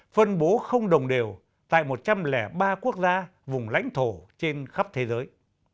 phân bố không đồng đều tại một trăm linh ba quốc gia vùng lãnh thổ trên khắp thế giới